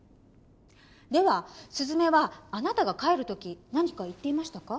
ではすずめはあなたが帰る時何か言っていましたか？